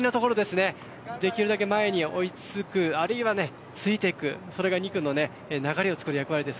できるだけ前につく、あるいはついて行く、それが２区の流れを作る役割です。